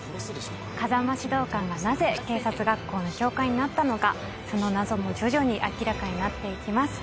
風間指導官がなぜ警察学校の教官になったのかその謎も徐々に明らかになっていきます。